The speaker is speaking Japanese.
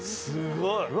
すごい。